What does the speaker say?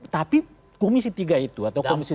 tapi komisi tiga itu atau komisi dua